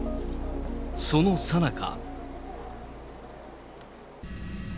そのさなか。